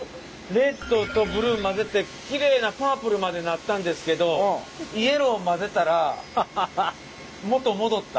レッドとブルー混ぜてきれいなパープルまでなったんですけどイエロー混ぜたら元戻った。